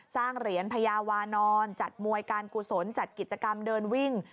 สร้างเหรียญพญาวานอนจัดมวยการกุศลจัดกิจกรรมเดินวิ่ง